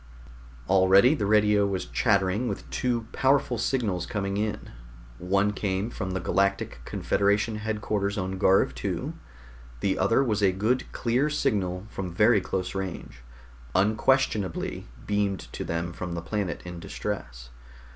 Already the radio was chattering with two powerful signals coming in. One came from the Galactic Confederation headquarters on Garv II; the other was a good clear signal from very close range, unquestionably beamed to them from the planet in distress.